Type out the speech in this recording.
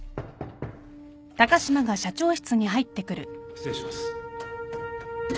・失礼します。